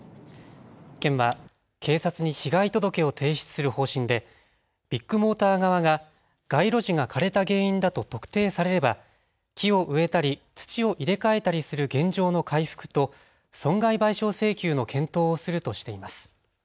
県は警察に被害届を提出する方針でビッグモーター側が街路樹が枯れた原因だと特定されれば木を植えたり土を入れ替えたりする原状の回復と損害賠償請求の検討をするとしています。